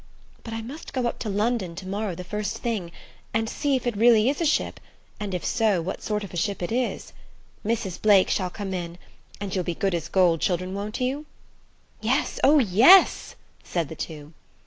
But I must go up to London to morrow the first thing, and see if it really is a ship, and, if so, what sort of ship it is. Mrs. Blake shall come in, and you'll be good as gold, children, won't you?" "Yes–oh, yes," said the two.